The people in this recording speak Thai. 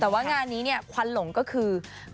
แต่ว่างานนี้เนี่ยควันหลงก็คือ